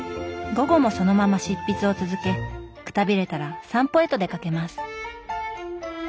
午後もそのまま執筆を続けくたびれたら散歩へと出かけます。